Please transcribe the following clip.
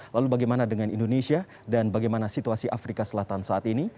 lalu bagaimana dengan indonesia dan bagaimana situasi afrika selatan saat ini